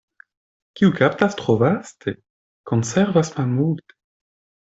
Kiu kaptas tro vaste, konservas malmulte.